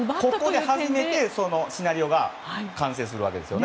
ここで初めて、シナリオが完成するわけですね。